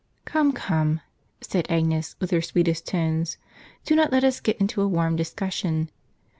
"Come, come," said Agnes, with her sweetest tones, "do not let us get into a warm discussion.